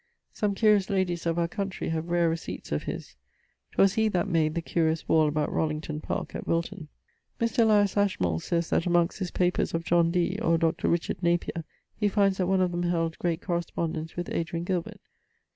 Some curious ladies of our country have rare receipts of his. 'Twas he that made the curious wall about Rollington parke at Wilton. Mr. Elias Ashmole sayes that amongst his papers of John Dee or Dr. Napier he finds that one of them held great correspondence with Adrian Gilbert.